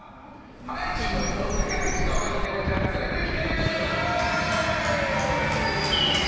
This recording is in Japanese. ハライチ岩井の世界一かわいいネコちゃん連れてきて！